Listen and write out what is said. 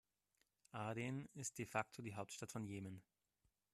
Aden ist de facto die Hauptstadt von Jemen.